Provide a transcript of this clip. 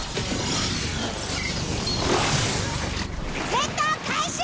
戦闘開始！